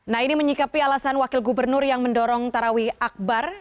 nah ini menyikapi alasan wakil gubernur yang mendorong tarawih akbar